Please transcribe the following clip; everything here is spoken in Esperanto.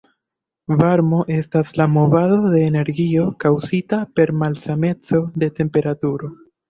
Varmo estas la movado de energio kaŭzita per malsameco de temperaturo.